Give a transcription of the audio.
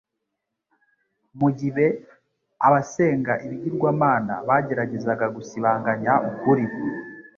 Mu gibe abasenga ibigirwamana bageragezaga gusiribanga ukuri,